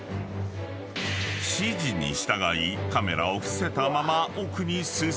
［指示に従いカメラを伏せたまま奥に進むと］